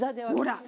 ほら！